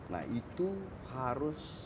nah itu harus